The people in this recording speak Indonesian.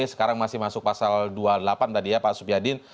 sekarang masih masuk pasal dua puluh delapan tadi ya pak supyadin